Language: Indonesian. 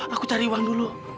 aku cari uang dulu